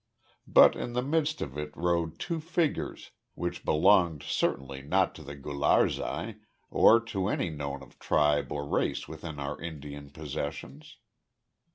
But in the midst of it rode two figures which belonged certainly not to the Gularzai, or to any known tribe or race within our Indian possessions.